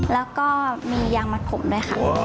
แล้วก็มียางมัดผมด้วยค่ะ